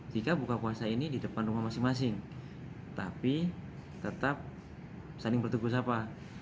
jika buka puasa ini di depan rumah masing masing tapi tetap saling bertubuh sapa